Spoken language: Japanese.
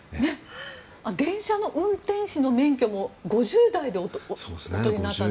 電車の運転士の免許も５０代でおとりになったんですね。